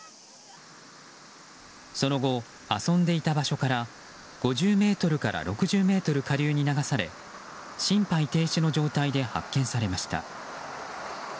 その後、遊んでいた場所から５０ｍから６０ｍ下流に流され心肺停止の状態で発見されました。